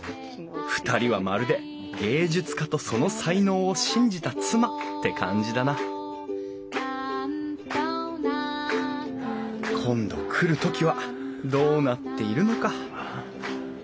２人はまるで芸術家とその才能を信じた妻って感じだな今度来る時はどうなっているのか。